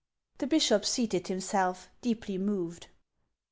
The bishop seated himself, deeply moved.